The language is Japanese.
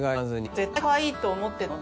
絶対かわいいと思ってたので。